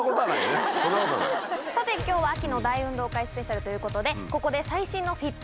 さて今日は秋の大運動会スペシャルということでここで。